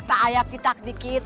takut pituk dikit